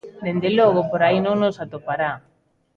Dende logo, por aí non nos atopará.